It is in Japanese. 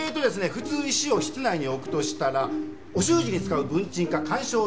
普通石を室内に置くとしたらお習字に使う文鎮か観賞用か。